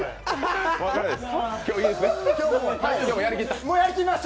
今日もやりきった？